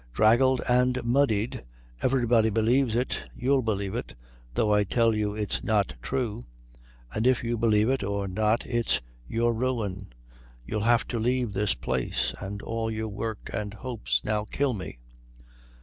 Draggled and muddied. Everybody believes it. You'll believe it, though I tell you it's not true. And if you believe it or not it's your ruin. You'll have to leave this place, and all your work and hopes. Now kill me."